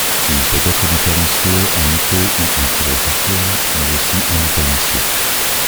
Il peut être différencié en lipo- ou un fibro-sarcome, mais aussi indifférencié.